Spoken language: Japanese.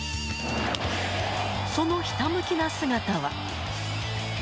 そのひたむきな姿は。